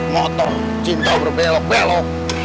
motong cinta berbelok belok